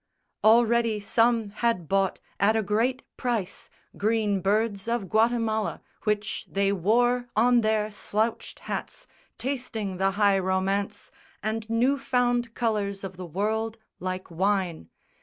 Already some had bought at a great price Green birds of Guatemala, which they wore On their slouched hats, tasting the high romance And new found colours of the world like wine.